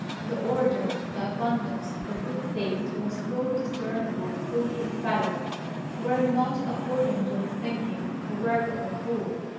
The order, the abundance, the good taste that was discernible through his palace, were not, according to his thinking, the work of a fool.